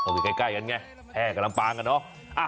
เก่ยกันไงแพร่กับลำปางกันเนอะ